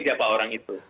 siapa orang itu